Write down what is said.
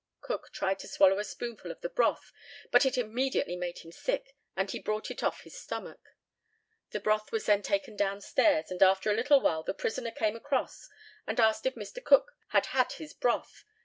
Cook tried to swallow a spoonful of the broth, but it immediately made him sick, and he brought it off his stomach. The broth was then taken down stairs, and after a little while the prisoner came across and asked if Mr. Cook had had his broth.